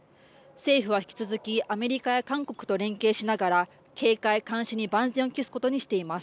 政府は引き続きアメリカや韓国と連携しながら警戒・監視に万全を期すことにしています。